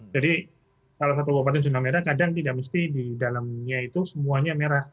jadi kalau satu obatnya zona merah kadang tidak mesti di dalamnya itu semuanya merah